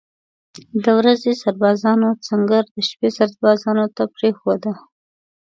د ورځې سربازانو سنګر د شپې سربازانو ته پرېښوده.